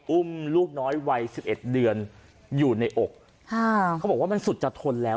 อุ้มลูกน้อยวัยสิบเอ็ดเดือนอยู่ในอกค่ะเขาบอกว่ามันสุดจะทนแล้ว